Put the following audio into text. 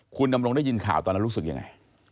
คุณดำรงได้ยินข่าวตอนนั้นรู้สึกยังไง